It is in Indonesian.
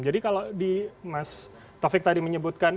jadi kalau di mas taufik tadi menyebutkan